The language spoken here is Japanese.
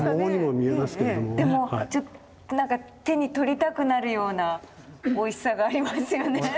でもなんか手に取りたくなるようなおいしさがありますよね。